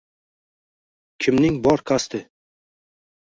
кимнинг бор қасди?